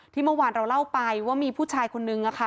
ที่เมื่อวานเราเล่าไปว่ามีผู้ชายคนนึงอ่ะค่ะ